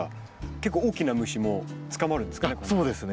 結構大きな虫も捕まるんですかね？